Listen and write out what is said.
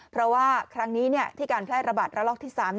เพราะว่าครั้งนี้ที่การแพร่ระบาดระลอกที่๓